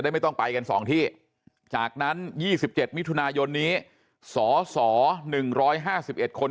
ไม่ต้องไปกัน๒ที่จากนั้น๒๗มิถุนายนนี้สส๑๕๑คน